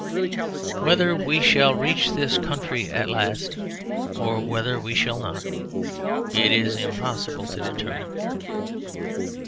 Whether we shall reach this country at last or whether we shall not, it is impossible to determine.